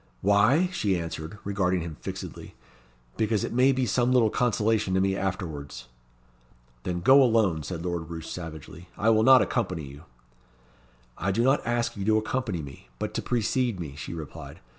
"Why?" she answered, regarding him fixedly. "Because it may be some little consolation to me afterwards." "Then go alone," said Lord Roos savagely. "I will not accompany you." "I do not ask you to accompany me, but to precede me," she replied.